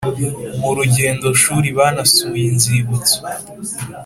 mu rugendo shuri banasuye inzibutso